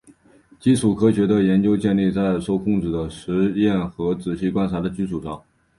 基础科学的研究建立在受控制的实验和仔细观察的基础上。